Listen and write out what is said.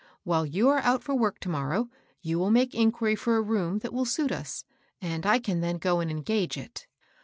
While you are out for work to morrow you will make inquiry for a room that will suit us, and I can then go and engage it.''